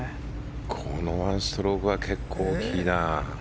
この１ストロークは結構、大きいな。